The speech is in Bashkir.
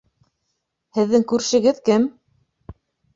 Һеҙҙең күршегеҙ кем?